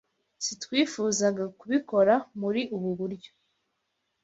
Sitwifuzagakubikora muri ubu buryo.